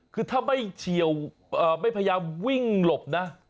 คือถ้าไม่เฉียวไม่พยายามวิ่งหลบนะ